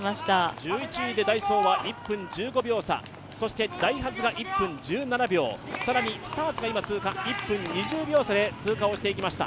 １１位でダイソーは１分１５秒差、そしてダイハツが１分１７秒、さらにスターツが１分２０秒差で通過をしていきました。